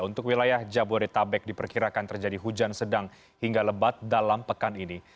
untuk wilayah jabodetabek diperkirakan terjadi hujan sedang hingga lebat dalam pekan ini